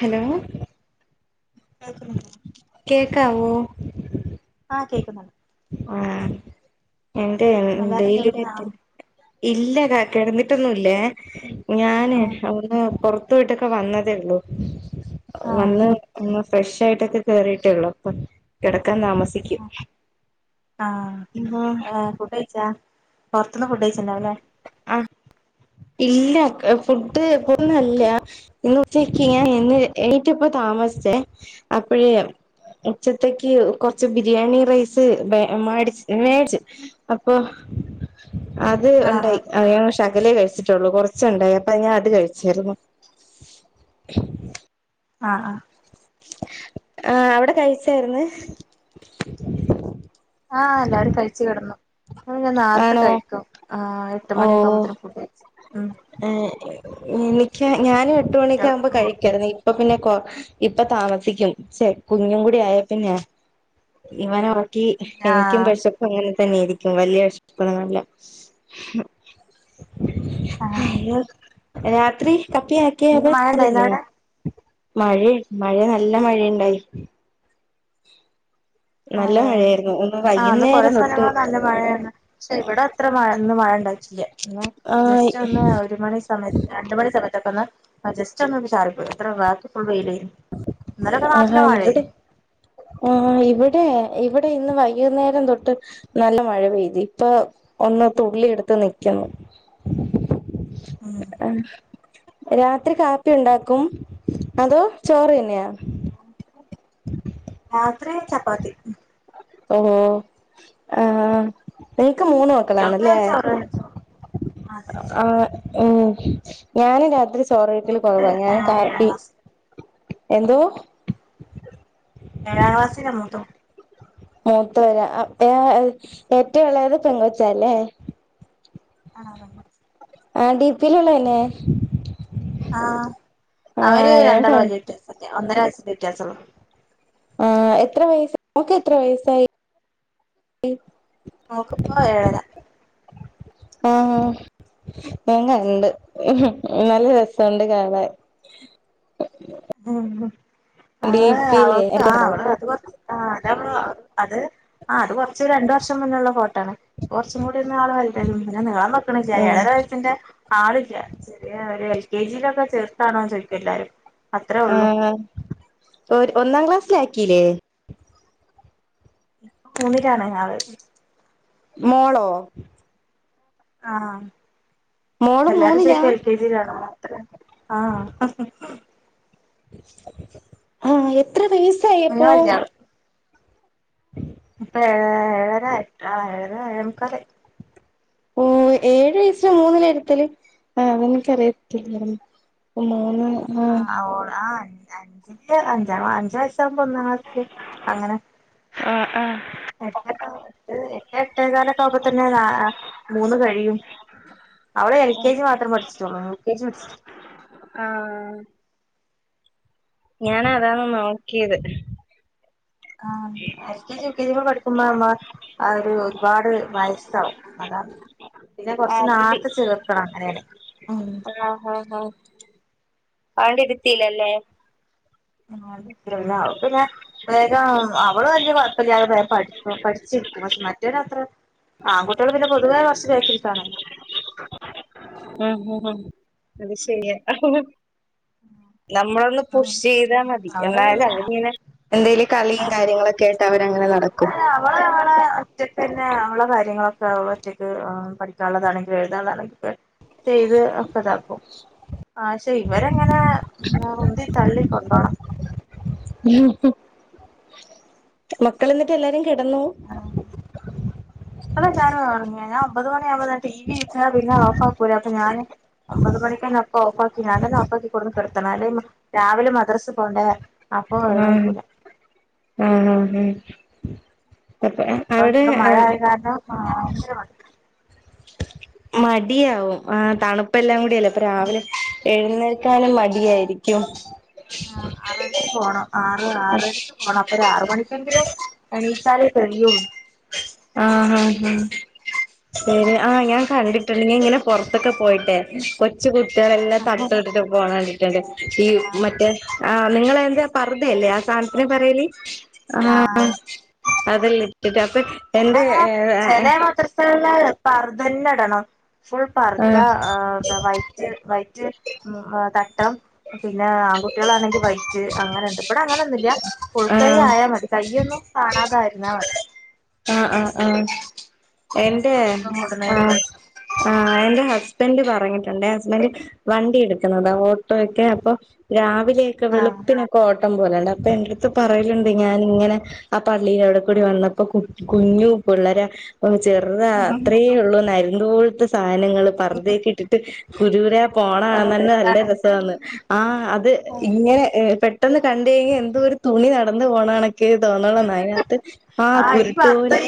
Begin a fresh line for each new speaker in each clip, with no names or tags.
Hello
കേക്ക്ന്ന്ണ്ടോ?
കേക്കാവോ
ആ കേക്ക്ന്നുണ്ട്.
ആ എന്റെയോ
എല്ലാരും
ഡെയ്ലി
കേടുന്നാ
നെറ്റ്. ഇല്ലടാ കെടന്നിട്ടൊന്നു ല്ലെ ഞാന്
ആഹ്
ഒന്ന് പെറ പോയിട്ടൊക്കെ വന്നതേ ഉള്ളൂ
ആഹ്
വന്ന് ന്ന് ഫ്രഷ് ആയിട്ടെക്കെ കേറിട്ടൊള്ളൂ മ് കെട ക്കാൻ താമസിക്കും.
ആ
ആഹ്
ഏ ഫുഡഴ്ച്ചാ? പൊറത്തുന്ന് ഫുഡ് കയ്ച്ചിണ്ടാവുല്ലേ?
ആഹ് ഇല്ല ക്ക ഫുഡ് പോന്നല്ല. ഇന്ന് ഉച്ചക്ക് ഞാൻ ഇന്ന് ഏണീറ്റപ്പോ താമസിച്ചേ. അപ്പഴേ ഉച്ചത്തേക്ക് കൊറച്ച് ബിരിയാണി റൈസ് മേ മേടി മേടിച്ചു. അപ്പൊ അത്
ആഹ്
ഉണ്ടായി
ആഹ്
അയ ശകലേ കഴിച്ച് പുള്ളൂ കൊറച്ചുണ്ടായി അപ്പ ഞാൻ അത് കഴിച്ചിരുന്നു
ആഹ് ആഹ്
ആഹ് അവടെ കഴിച്ചാരിന്ന്
അ ഞാൻ നേരത്തെ
ആണോ
കഴ്ക്കും. ആ എട്ട്
ഓ
മണിയൊക്കെയാകുമ്പത്തേക്കും ഫുഡ് കഴ്ക്കും. ഉം
ഏഹ് എനിക്ക് ഞാന് എട്ടു മണിക്കാമ്പം
കുട്ടികൾക്കൊക്കെ
കഴിക്കാരുന്നീ ഇപ്പ പിന്നെ കൊ ഇപ്പ താമസിക്കും. ച്ചെ കുഞ്ഞുംകൂടിയായെ പിന്നെയാ. ഇവനൊ ക്കി
കൊടുക്കും
എനിക്കും
ആഹ്
വെശപ്പെങ്ങനെ തന്നെയിരിക്കും വല്യയഷ് ഇപ്പളല്ല ഹു
ആഹ്
രാത്രി കപ്പയാക്കിയോ
ഇന്ന്
അതോ
മഴ
ചോറ്
ഉണ്ടായിരുന്നോ
തന്നെയൊ
അവിടെ
മഴയ മഴ നല്ല മഴയുണ്ടായി നല്ല
അതെ
മഴയായിരുന്നു ഒന്ന്
ആഹ് ഇന്ന് കൊറെ
വൈകുന്നേരം തൊട്ട്
സ്ഥലങ്ങളിൽ നല്ല മഴയാണ് പക്ഷെ ഇവിടെ അത്ര മഴ ഇന്ന് മഴയുണ്ടായി ഇല്ല ഇന്ന് ജസ്റ്റ്
ആഹ്
ഒന്ന് ഒരു മണി സമയത്ത് രണ്ടു മണി സമയത്തൊക്കെ ഒന്ന് ആ ജസ്റ്റ് ഒന്ന് വന്ന് ചാറി പോയി അത്രയുള്ളു ബാക്കി ഫുൾ വെയില
ആഹാ ഇവിടെ ആഹ് ഇവിടെ ഏ ഇവിടെ ഇന്ന് വൈകുന്നേരം തൊട്ട് നല്ല മഴ പെയ്തു ഇപ്പൊ ഒന്ന് തുള്ളി എടുത്ത് നിക്കുന്നു
ഉം
ആഹ് രാത്രി കാപ്പി ഉണ്ടാക്കും അതോ ചോറ് തന്നെയോ
ഇവടെ ചപ്പാത്തി
ഓഹോ ആഹ് നിങ്ങക്ക് മൂന്ന്
കുട്ടികൾക്ക്
മക്കളാണല്ലേ
ചോറ് ചോറ് അതെ
ആഹ് ഉം ഞാനും രാത്രി ചോറീറ്റിൽ
മൂത്തത്
കുറവാ ഞാനും
ഏഴാം
കാപ്പി
ക്ലാസ്സില്
എന്തോ
ഏഴാം ക്ലാസിലാ മൂത്തമോൻ
മൂത്തവര് ഏറ്റവും എളയത് പെങ്ങൊച്ച അല്ലേ
ആഹ് പെങ്കൊച്
ആഹ് ഡി പിയിലുള്ള തന്നെ
ആ
ആ
അവര്
ഞാൻ
രണ്ടാളും
കണ്ട്
അതിലിട്ടെ ഒന്നര വയസ് ൻ്റെവ്യത്യാസം ഉള്ളു
ആഹ് എത്ര വയസ നമക്ക് എത്ര വയസായി
അവക്കിപ്പോ ഏഴര
ആഹ് ഞാൻ കണ്ട് നല്ല രസമുണ്ട് കാണാൻ
മ്മ് അ
ഡിപിയിലേ
അവക്ക് ആ അവ അത് കൊറച്ച് ആ അത് അത് ആഹ് അത് കുറച്ച് രണ്ടു വർഷം മുന്നേള്ള ഫോട്ടോ ആണ് കുറച്ചും കൂടി ഒന്ന് ആള് വല്ലതായിന് പിന്നെ നീളം വെക്കാൻ വെക്ക്ണ് ഇല്ല
ആ
ഏഴരവയസിന്റെ ആളില്ല ചെറിയ ഒരു എൽ കെ ജിയിലൊക്കെ ചേർത്താണോന്ന് ചോയിക്കും എല്ലാരും അത്രേ ഉള്ളൂ
ആഹ് ഒരു ഒന്നാം ക്ലാസ്സിലാ ആ കിലേ
ഇപ്പം മൂന്നിലാണ് ആള്
മോളോ
ആഹ്
മോള്
എല്ലാവരും
മൂന്നിലാ
ചോദിക്ക എൽ കെ ജിയിലാണോ [unintelligible] ആഹ്
ആഹ് എത്ര വയ സായപ്പോ?
ഇപ്പം ഏഴ ഏഴര ആഹ് ഏഴേമുക്കാലായി.
ഓ ഏഴു വയസിലാ മൂന്നില് ഇരുത്തല് [unintelligible]
ആഹ് ഓ ആ [unintelligible] ഞ്ചാകുമ്പം ഒന്നാം ക്ലാസിൽ അങ്ങനെ
ആ ആ ആ
[unintelligible] [unintelligible] എട്ടേകാലക്കെ ആവുമ്പ തന്നെ ആഹ് മൂന്ന് കഴിയും. അവളെ എൽ കെ ജി മാത്രം പഠിച്ചിട്ടുള്ളൂ യു കെ ജി പഠിച്ചിട്ടി
ആ ഞാന് അതാണ് നോക്കിയത്.
ആഹ് L. K. G, U. K. G, പഠിക്കുമ്പോ നമ്മ ഒരുപാട് വയസാവും അതാണ് പിന്നെ
ആ
കൊറച്ച്
അതില്
നാർത്തെ ചേർക്കണം അങ്ങനെയാണേ
അവിടിരുത്തില്ലല്ലേ?
അവള് [unintelligible] ശിക്കും പക്ഷെ മറ്റവനത്ര ആകു [unintelligible] പൊതുവെ കുറച്ച് ബെകിൽക് ആണല്ലോ
ഉം ഉം അത് ശരിയാ നമ്മളൊന്ന് പുഷ് ചെയ്താൽ മതി
അവള്
എന്നാലും
പിന്നെ
അവരിങ്ങനെ എന്തേലും കളിയും കാര്യങ്ങളൊക്കെയായിട്ട് അവ
അവള് അവള അവളെ ഒറ്റക്കന്നെ അവള കാര്യം [unintelligible] ഒറ്റക്ക് പഠിക്കാനുള്ള താണങ്കിലും എഴുതാനുള്ളതാണങ്കിലും ഒക്കെ ചെയ്ത് ഒക്കെ താ ക്കും ആ ക്ഷേ ഇവരങ്ങനെ ഉന്തി തള്ളി ക്കൊണ്ടോണം.
മക്കളന്നിട്ട് എല്ലാരെ
ആ [unintelligible] ഒമ്പതു മ [unintelligible] ടി വി ഇട്ട പിന്നെ ഓഫ് ആക്കൂല. അപ്പൊ ഞാന് ഒമ്പത് മണിക്കായി നോക്ക ഓഫാക്കി ഞാൻ തന്നെ ഓഫാക്കികൊടുന്ന് കിടുത്തണം അല്ല രാവിലെ മദ്രസ് പോണ്ടേ? അപ്പൊ
ഉം
എണീക്കൂല
ഉം ഉം ഹു
ആ ഇവിടെ മഴ ആയ കാരണം ഭയങ്കര
മടിയാ വും ആ തണുപ്പ എല്ലാം കൂ ല്ല രാവിലെ എഴുന്നേൽ ക്കാനും മ ഫ്രീ യാ യിരിക്കും
ആ ആറരക്ക് പോണം ആറ് ആറരക്ക് പോണം അപ്പൊ ഒരു ആറ മണിക്കെങ്കിലും എണീച്ചാലേ തെലിയുള്ളു
ആ ആ ശരി ആഞാൻ കണ്ടിട്ടുണ്ട് നീ ഇങ്ങനെ പുറത്തൊക്കെ പോയിട്ടെ കൊച്ചു കു കുട്ടികെല്ലാം തട്ട് [unintelligible] ഡെലാസ് ഈ മറ്റേ ആ നിങ്ങളെ ന്താ പറുത അല്ലേ ആ സാധനത്തിന് പറയല് ആ
ആഹ്
അതെല്ലാംട്ടട്ട് അപ്പൊ
അട
എന്റെ
അങ്ങനെ
ഏ ആ
ചെല മാത്രസ കാളി ല് പറു തന്നെ ഇടണോ ഫുൾ
ആ
പർദ വൈറ്റ് വൈറ്റ് ഉം തട്ടം പിന്നെ ആൺകുട്ടികളാണെങ്കി വൈറ്റ് അങ്ങനു ണ്ട് ഇവടെ അങ്ങനെന്നുംല്ല ഫുൾ കൈ ആയാൽ
ആ
മതി കയ്യൊന്നു കാണാതായിരുന്ന വത്
ആ ആ ആ
ഏത്
എന്റെ
ഡ്രസ്സും
ആ
ഇടണേന് കൊഴപ്പ
ആ ൻ്റെ ഹസ്ബൻഡ് പറഞ്ഞിട്ടുണ്ട് ഹസ്ബൻഡ് വണ്ടി എടുക്കുന്നുന്നത് ഓട്ടോ ഒക്കെ അപ്പൊ രാവി വിലേക്കെ
ആഹ്
വെളുപ്പനൊക്കെഓ പട്ടം പോലണ്ട് അപ്പൊ എന്റെടുത്ത് പറയലുണ്ട് ഞാന ഇങ്ങനെ ആ പള്ളിൽവിടെ കൂടി വന്നപ്പോ കുഞ്ഞുപുള്ളരെ ചെറുത അത്രേ ഉള്ളൂ എന്ന ദൂൾത സ സനങ്ങൾ പുറുതെക്കെ ഇട്ടിട്ട് കുരൂര പോണന്ന്
ആഹ്
തന്നെ നല്ല
രസാണ്
രസന്ന് ആ അത് ഇങ്ങനെ പേ പെട്ടെന്ന് കണ്ട കഴിഞ്ഞാൽ എന്തോ ഒരു തുണി നടന്നു പോണണൊക്കെ തോന്നള്ളെന്ന അതിനകത്ത് ആകുരുട്ടു പോലെ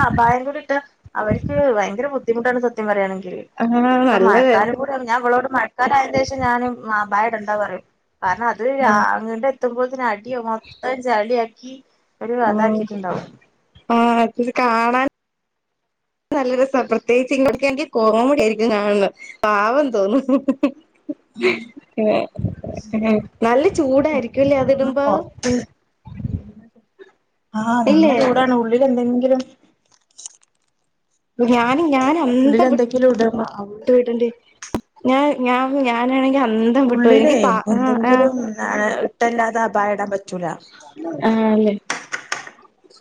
ആ ഭയം കൂടി ഇട്ട് അവർക്ക് ഭയങ്കര ബുദ്ധിമൂ ട്ടാണ് സദ്യം പറയാണേ
ആഹ്
ഇപ്പം
നല്ല രസ
മഴക്കാലം കൂടെ ഞാനവളോട് കാര ഏകദേശം ഞാനും മാ ബായടെണ്ട് എന്താ പറയും കാരണം അത് രാ
ആഹ്
അങ്ങ ത് പൊന്തിൻ ആ ഇഹ ചെല്യാക്കി
ആ ആ അത് കാണാൻ നല്ല രസം പ്രത്യേകിച്ച് ഇങ്ങോക്ക് എനിക്ക് കോമടി യിരിക്കും കാണുന്നത് പാവം തോന്നുന്നു നല്ല
ഇപ്പോ
ചൂടായിരിക്കല്ലേ
ഒന്ന്
അതിടുമ്പോ
ആഹ നല്ല
ഇല്ലേ
ചൂടാണ് ഉള്ളിൽ എന്തെങ്കിലും
ഞാനും ഞാന
ഉള്ളില് എന്തെങ്കിലും ഇടണം
അന്തട്ടണ്ട് ഞാൻ ഞാ ഞാനാണെങ്കിൽ
ഉള്ളിലേ എന്തെങ്കിലും ഒ ഇട്ടല്ലാതെ അപായം ഇടാൻ പറ്റൂല
ആഹ് അല്ലേ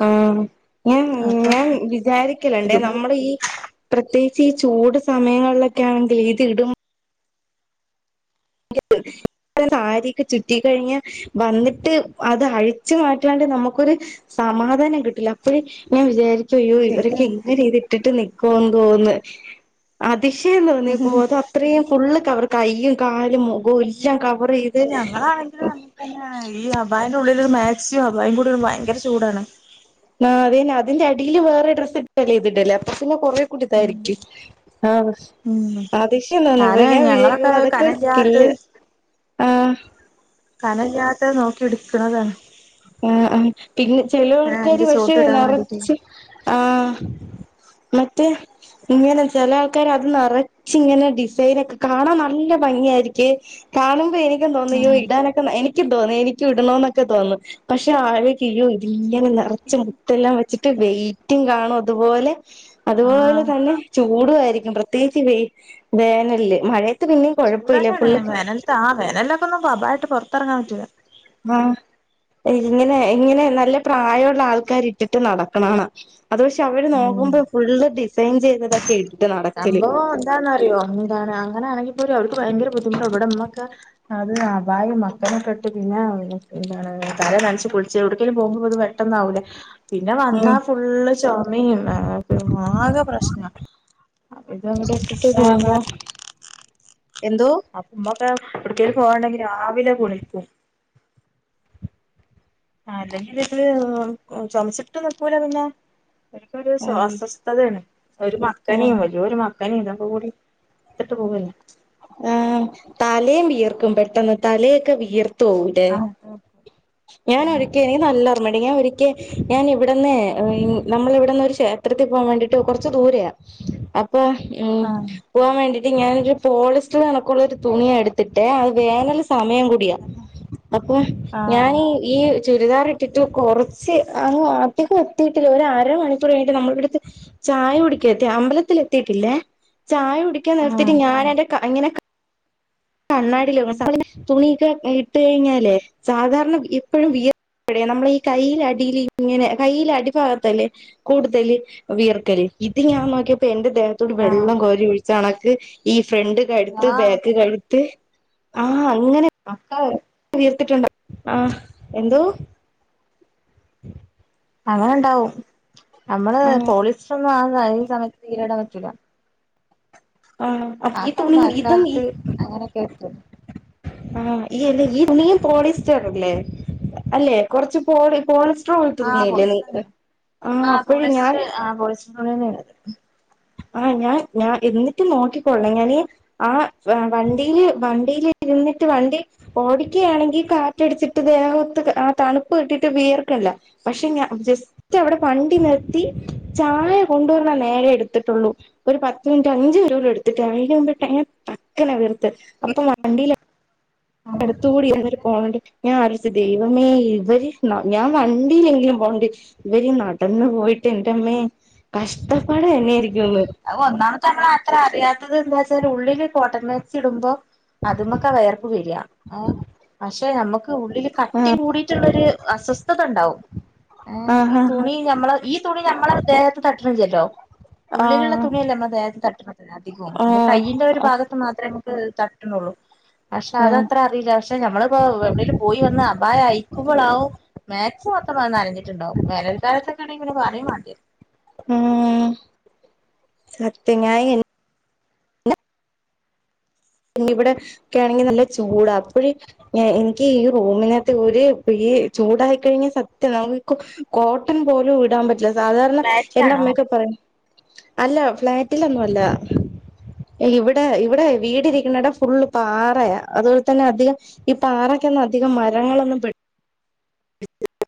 ആഹ ഞാ
അപ്പം
ഞാൻ വിചാരിക്കലണ്ടേ
ഇതും കൂടെ
നമ്മുടെ ഈ പ്രത്യേകിച്ച് ഈ ചൂട് സമയങ്ങളിലൊക്കെ ആണെങ്കിൽ ഇതി ഇടമ്പ സാരിയൊക്കെ ചുറ്റ കഴിഞ്ഞ വന്നിട്ട് അത് അഴിച്ചു മാറ്റാണ്ട് നമുക്കൊരു സമാധാനം കിട്ടില്ല അപ്പോഴ ഞാൻ വിചാരിക്ക ചെയ്യോ
ശരിയാണ്
ഇവരൊക്കെങ്ങെ ചെയ്തിട്ടില്ല കോൻ കോന്ന് അ ദിശ എന്ന് പറഞ്ഞപ്പോ അത് അത്രയും ഫുള് കവർ കയ്യ കാ [unintelligible]
ഞങ്ങളാണെങ്കിൽ ന തന്നെ ഈ അബായ ഉള്ളിൽ മ മാക്സ് ഭയ കൂടി ഭയങ്കര ചൂടാണ്
ആ അതന്നെ അതിന്റെ അടിയില് വേറെ ഡ്രസ്ല്ല ചെയ്തിണ്ടല്ലേ അപ്പ പിെ കുറ
ഉം
കൂട്ടിതായിരിക്ക ആഹ
ഉം
ആതിശംന്തന്ന ഇപ്പൊ
ഞാന്
ഞാൻ
ഞങ്ങളൊക്കെ
വിചാരിക്കുമ്പോ അതൊക്കെ ഒരു സ്കില്
കനല്ലാത്തത്
ആ
കനല്ലാത്ത നോക്കി ഇടുക്കണതാണ്
ആ ആ പിന്നെ ചെല ആൾക്കാാര്
അതിന്റെ
പക്ഷേ
ചോട്ടിടാൻ വേണ്ടീട്ടേ
നിറച്ച് ആ മറ്റേ ഇങ്ങനെ ചില ആൾക്കാര് അത് നിറച്ച് ഇങ്ങനെ ഡിസൈനൊക്കെ കാണാൻ നല്ല ഭംഗിയായിരിക്കേ കാണുമ്പോ എനിക്ക് തോന്നിയോ
ആഹ്
ഇടാനൊക്കെ എനിക്ക് നിക്കു തോന്നും എനിക്കും ഇടണോന്നൊക്കെ തോന്നും പക്ഷെ ആരെ കെയോതി ഇങ്ങനെ നിറച്ച് മുത്തെല്ലാം വെച്ചിട്ട് വെയിറ്റും കാണു അതുപോലെ അതുപോലെ
ആഹ്
തന്നെ ചൂടു ആരി പ്രത്യേകിച്ച് വെ വേനൽല് മഴ
ചൂടങ്ങാണ് വേനല്ത്ത് ആ വേനലൊക്കൊന്നും പതായിട്ട് പുറത്തിറങ്ങാൻ പറ്റൂല്ല
ആ ഇങ്ങനെ-ഇങ്ങനെ നല്ല പ്രായുള്ള ആൾക്കാര് ഇട്ടിട്ട് നടക്കണാണ അത് പക്ഷെ അവര്
ഉം
നോക്കുമ്പേ ഫുള്ള് ഡി ചെയ്ഞ്ചെയ്തത്
സംഭവം എന്താന്നറിയോ എന്താണ് അങ്ങനെയാണെങ്കി പോരും [unintelligible] ഭയങ്കര ബുദ്ധിമുട്ടാ ഇവിടെ മ്മക്ക് അത് അബായും മക്കനൊക്കെ ഇട്ട് പിന്നെ എന്താണ് തല നനച്ച് കുളിച്ച് എവിടേകെങ്കിലും പോകുമ്പോ അത് പെട്ടന്നാവില്ലേ പിന്നെ വന്നാ
ഉം
ഫുള്ള് ചൊമയും ആകെ പ്രശ്നാ അവിട അങ്ങട് ഇട്ടിട്ട് പോവുമ്പോ
എന്തോ
അപ്മ [unintelligible] ക്കെ എവിടേക്കെങ്കില് പോവാനിണ്ടെങ്കി രാവിലെ കുളിക്കും ആ അല്ലെങ്കില് ഇത് പൊമച്ചിട്ട് നിക്കൂല പിന്നെ അവര്ക്കൊരു
ഉം
സ്വാസസ്ഥലാണ് ഒരു
ഉം
മക്കനേം ഒരേരു മ മക്കനെ ഇതക്കകൂടി ഇടട്ട് പോവല്ലേ
ആഹ് തലയും വിയർക്കും പെട്ടെന്ന് തലയൊക്കെ വിയർതാ തോട്
ആഹ്
ഞാൻ ഒഴിക്കണ നല്ലർമ്മണ്ട് ഞാൻ ഒരി കെ ഞാൻ ഇവിടന്നേ നമ്മള് ഇവിടന്ന് ഒരു ക്ഷേത്രത്തി പോവാൻ വേണ്ടിട്ട് കുറച്ച് ദൂരെയാ പ്പം ഉം
ആഹ്
പോവാൻ വേണ്ടി എ ഞാനൊരു പോളിസ്റ്റർ കണക്കുള്ള രു തുണിയ എടുത്തിട്ട് അത് വേനൽ സമയം കൂടിയാ അപ്പൊ ഞാനി
ആഹ്
ഈ ചുരിദാർ ഇട്ടിട്ട് കൊറച്ച് അങ് അധികം എത്തിട്ടില്ല ഒരമണിക്കൂർ കഴിഞ്ഞട്ട് നമ്മളടുത്ത് ചായ കുടിക്ക എത്തി അമ്പലത്തില് എത്തിട്ടില്ലേ ചായ കുടിക്കാൻ നിർത്തിട്ട്
ആഹ്
ഞാന് ക്കാ അങ്ങിനെ ക കണ്ണാടിലിടണം [inaudible] തുണിയൊക്കെ ഇട്ട് കഴിഞ്ഞാലേ സാധാരണ ഇപ്പോഴും വിയർക്കുമ്പഴേ നമ്മടെ ഈ കൈയിലെ അടില് ഇങ്ങനെ കയ്യില അടിഭാഗത്തല്ലേ കൂടുതല് വിയർക്കല് ഇത് ഞാൻ നോക്കിയപ്പോ എന്റെ ദേഹത്തോട്
ആഹ്
വെള്ളം കോരി ഒഴിച്ചാണക്ക്‌ [unintelligible] ഈ ഫ്രണ്ട് കഴ്ത്ത് ബാക്ക്
അങ്ങനെയാണ്
കഴ് ആഹ്
[unintelligible]
വീർത്തിട്ടുണ്ടൊ ആ എന്തോ
അങ്ങനണ്ടാവും നമ്മള്
ആഹ്
പോളിസ്റ്റർ [unintelligible] ഈ സമയത്ത് തീരെ ഇടാൻ പറ്റൂല
ആഹ് അപ്പൊ
ആ
ഈ
കാല
തുണിയും ഇതും
മൽക്കാലത്ത് അങ്ങനൊക്കെ ത്
ആ ഈ തുണിയും പോളിസ്റ്ററല്ലേ അല്ലെ കൊറച്ച് പോളി പോളിസ് [unintelligible]
ആഹ്
തുണില്ലേ
പോളിസ്റ്റർ
നിങ്ങടെ
തന്നെയാണ്
ആഹ് അപ്പഴ് ഞാൻ
അങ്ങനന്നെണത്
ആ ഞാൻ ഞാൻ എന്നിട്ട് നോക്കിക്കൊള്ളണെ ഞാന് ആ വണ്ടില് വണ്ടില് ഇരുന്നിട്ട് വണ്ടി ഓടിക്കയാണെങ്കി കാറ്റടിച്ചിട്ട് ദേഹത്ത് ആ തണുപ്പ് ഇട്ടിട്ട് വിയർക്കില്ല പക്ഷെ ഞാൻ ജസ്റ്റ് അവിടെ വണ്ടി നിർത്തി ചായ കൊണ്ടുവന്ന നേരെ എടു എടുത്തിട്ടൊള്ളു ഒരു പത്ത് മിനിറ്റ് അഞ്ച് മിനിറ്റ് എടുത്തില്ല അതിനു മുമ്പേ ട്ടക്കനെ ത് അപ്പം വണ്ടില് എടുത്തുകൂടിയും [unintelligible] ഞാൻ ആലോയിച്ചു ദൈവമേ ഇവര് ഞാൻ വണ്ടിയിലെങ്കിലും പോണ്ട് ഇവര് നടന്നു പോയിട്ട് എന്റെമ്മേ കഷ്ടപ്പാട് തന്നൊയിരിക്കും
അത് ഒന്നാമത്തെ നമ്മളത്ര അറിയാ അത് എന്താച്ചാൽ ഉള്ളില് കോട്ടൺ മാക്സി ഇടുമ്പോ അതുമൊക്ക വേയർപ്പ് വരിക പക്ഷെ നമ്മക്ക് ഉള്ളില് കട്ടി കൂടിട്ടുള്ളൊരു അസ്വസ്ഥത ണ്ടാവും ഏഹ് ഈ
ആഹ്
തുണി നമ്മള ഈ തുണി നമ്മളെ ദേഹത്ത് തട്ടണില്ലല്ലോ ഉള്ളിലുള്ള
ആഹ്
തുണിയല്ലേ നമ്മദേഹത്ത് തട്ട്ണത് അധികോം പിന്നെ
ആഹ്
കയിന്റെ ഒരു
ആഹ്
ഭാഗത്ത് മാത്ര തട്ടുണോള്ളൂ പക്ഷെ
ആഹ്
അതത്ര അറിയില്ല പക്ഷെ നമ്മളിപ്പോ എവിടെലും പോയി വന്നാ അപായം അയക്കുമ്പോളാവും മാക്സി മൊത്തം നനഞ്ഞിട്ടുണ്ടാകും വേനൽക്കാലത്തൊക്കെയാണെ പറയും വേണ്ടിവരില്ല
ഉം സത്യം ഞാൻഎ പിന്നെ ഇവിടെക്കെ ആണെങ്കിൽ നല്ല ചൂടാ അപ്പഴ്‌ എനിക്ക് ഈ റൂമിനത്ത് ഒരു ഈ ചൂടായിക്കഴിഞ്ഞ സത്യം നമുക്ക് കോ കോട്ടൺ പോലും ഇടാൻ പറ്റ സാധാരണ എന്റെ
ഫ്ലാറ്റിലാണോ
അമ്മയൊക്കെ പറയും അല്ല ഫ്ളാറ്റിലൊന്നും അല്ല ഇവിടെ ഇവിടെ വീടിരി ന്നടം ഫുള്ള് പാറയാ അതുപോലെ തന്നെ അധികം ഈ പാറക്കൊന്നും അധികം മരങ്ങളൊന്നും പി [unintelligible]